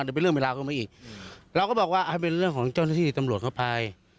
เดี๋ยวเป็นเรื่องมีราวขึ้นมาอีกเราก็บอกว่าอ่ะเป็นเรื่องของเจ้าหน้าที่ตำรวจครับภาย